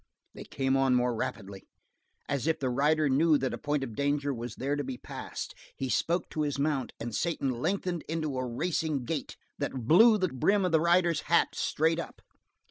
They came more rapidly. As if the rider knew that a point of danger was there to be passed, he spoke to his mount, and Satan lengthened into a racing gait that blew the brim of the rider's hat straight up.